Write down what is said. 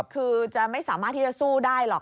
คือจะไม่สามารถที่จะสู้ได้หรอก